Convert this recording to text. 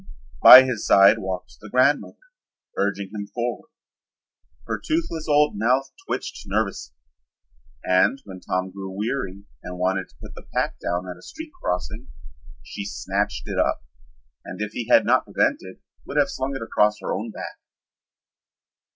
By his side walked the grandmother urging him forward. Her toothless old mouth twitched nervously, and when Tom grew weary and wanted to put the pack down at a street crossing, she snatched it up and if he had not prevented would have slung it across her own back.